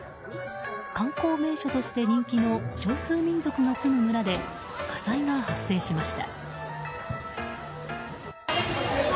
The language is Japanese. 観光名所として人気の少数民族の住む村で火災が発生しました。